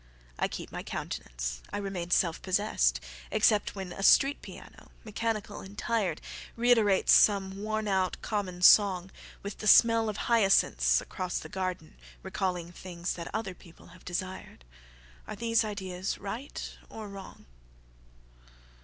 I keep my countenance,I remain self possessedExcept when a street piano, mechanical and tiredReiterates some worn out common songWith the smell of hyacinths across the gardenRecalling things that other people have desired. Are these ideas right or wrong?